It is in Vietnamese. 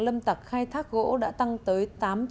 lâm tặc khai thác gỗ đã tăng tới tám trăm năm mươi